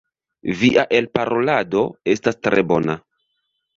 Via elparolado estas tre bona.